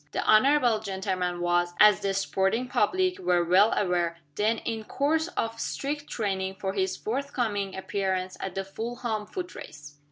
The honorable gentleman was, as the sporting public were well aware, then in course of strict training for his forthcoming appearance at the Fulham Foot Race.